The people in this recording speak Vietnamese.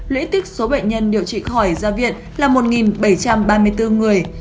lũy tích số bệnh nhân điều trị khỏi ra viện là một bảy trăm ba mươi bốn người